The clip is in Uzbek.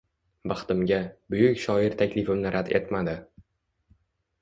Baxtimga, buyuk shoir taklifimni rad etmadi